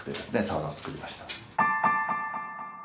サウナを作りました。